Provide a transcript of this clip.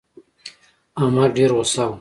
احمد ډېر غوسه و.